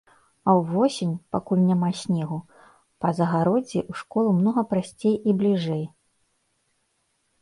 А ўвосень, пакуль няма снегу, па загароддзі ў школу многа прасцей і бліжэй.